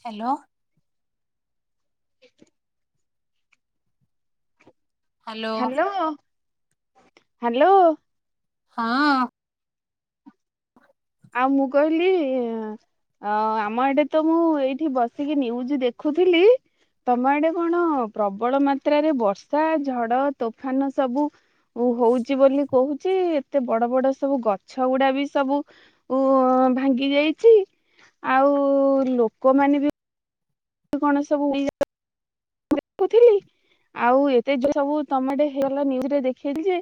Hello. [inaudible] Hello hello. Hello. ହଁ। ଆଉ ମୁଁ କହିଲି ଆମ ଆଡେ ତ ମୁଁ ଏଇଠି ବସିକି ନିୟୁଜ୍ ଦେଖୁଥିଲି ତମ ଆଡେ କଣ ପ୍ରବଳ ମାତ୍ରାରେ ବର୍ଷା ଝଡ ତୋଫାନ ସବୁ ହୋ ହଉଛି ବୋଲି କହୁଛି ଏତେ ବଡ ବଡ ସବୁ ଗଛ ଗୁଡା ବି ସବୁ ଉ ଭାଙ୍ଗି ଯାଇଛି ଆଉ ଲୋକମାନେ ବି କଣ ସବୁ ମୁଁ ଦେଖୁଥିଲି ଆଉ ଏତେ ସବୁ ତମେଲାଜରେ ଦେଖେଇ ଯେ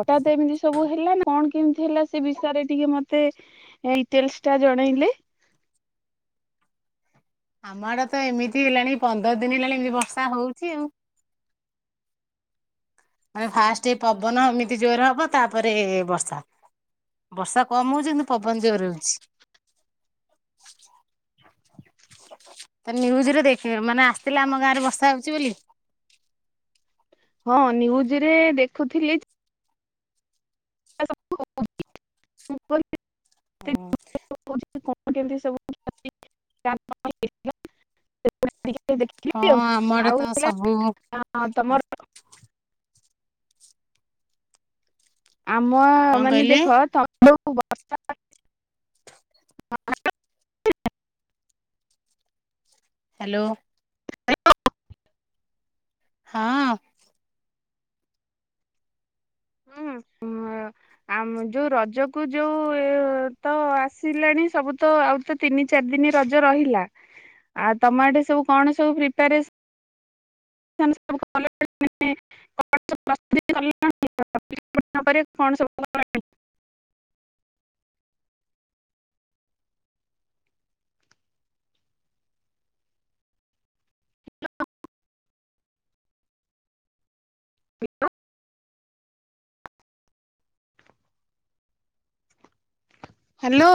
ହଠାତ ଏମିତି ସବୁ ହେଲା କଣ କେମତି ହେଲା ସେ ବିଷୟରେ ଟିକେ ମତେ ଡିଟେଲ୍ସ ଟା ଜଣେଇଲେ ଆମଡା ତ ଏମିତି ହେଲାଣି ପନ୍ଦର ଦିନ ହେଲାଣି ଏମତି ବର୍ଷା ହଉଛି ଆଉ। ମାନେ ଫାଷ୍ଟ ଏ ପବନ ଏମିତି ଜୋର ହବ ତାପରେ ବର୍ଷା ବର୍ଷା କମ ହଉଛି କିନ୍ତୁ ପବନ ଜୋର ହଉଛି ନିୁଜରେ ଦେଖ ମାନେ ଆସିଥିଲେ ଆମ ଗାଁ ରେ ବର୍ଷା ହଉଛି ବୋଲି ହଁ ନିୁଜ ରେ ଦେଖୁଥିଲି। ମୁଁ ହୁଁ। କେମତି ସବୁ ସେ [unintelligible] ଟ ହଁ ଦେଖିି ଆଉ ଆମ ଆଡେ ତ ସବୁ ଆଉଥିଲା ତମର ଆମ କଣ ମାନେ କହିଲେ ଦେଖ ତ ହାଲୋ ବର୍ଷା [unintelligible] ହାଲୋ। ହଁ। ହୁଁ ଆ ଯୋଉ ରଜକୁ ଯୋଉ ତ ଆସିଲାଣି ସବୁ ତ ଆଉ ତ ତିନି ଚାରି ଦିନ ରଜ ରହିଲା ଆଉ ତମ ଏଠେ ସବୁ କଣ ସବୁ ପ୍ରିପାରେସନ୍ ସନ୍ ସବୁ [unintelligible] କି କଣ ହାଲୋ।